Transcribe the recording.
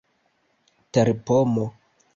terpomo